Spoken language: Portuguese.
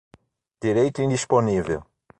direito indisponível